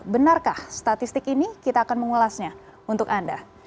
benarkah statistik ini kita akan mengulasnya untuk anda